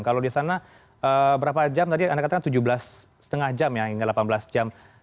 kalau di sana berapa jam tadi anda katakan tujuh belas lima jam ya hingga delapan belas jam